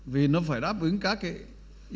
vì nó phải đáp ứng các cái